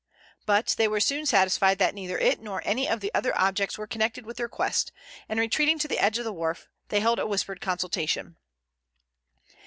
But, they were soon satisfied that neither it nor any of the other objects were connected with their quest, and retreating to the edge of the wharf, they held a whispered consultation.